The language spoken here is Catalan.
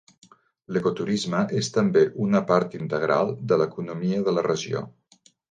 L'ecoturisme és també una part integral de l'economia de la regió.